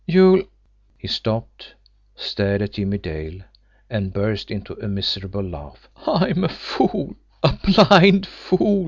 You'll " He stopped, stared at Jimmie Dale, and burst into a miserable laugh. "I'm a fool, a blind fool!"